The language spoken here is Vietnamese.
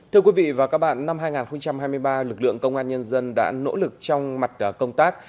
thưa quý vị và các bạn năm hai nghìn hai mươi ba lực lượng công an nhân dân đã nỗ lực trong mặt công tác